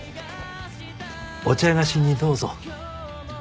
お茶菓子にどうぞ。